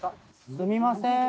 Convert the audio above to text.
すみません。